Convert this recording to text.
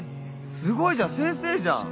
すごいじゃん先生じゃん